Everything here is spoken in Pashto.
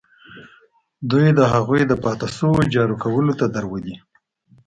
دوی د هغوی د پاتې شونو جارو کولو ته درولي.